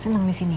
senang di sini ya